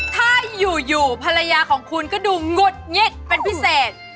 ถ้าอยู่ภรรยาของคุณก็ดูหงุดหงิดเป็นพิเศษ